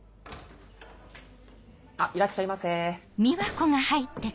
いらっしゃいませ。